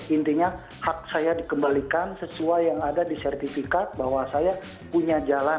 intinya hak saya dikembalikan sesuai yang ada di sertifikat bahwa saya punya jalan